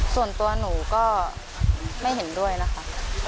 ส่วนตัวหนูก็ไม่เห็นด้วยนะคะ